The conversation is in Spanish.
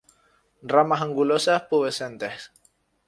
Ramas angulosas, pubescentes.